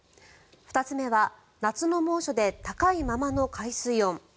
２つ目は夏の猛暑で高いままの海水温。